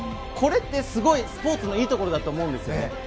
これってすごいスポーツのいいところだと思うんです。